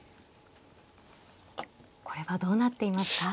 これはどうなっていますか。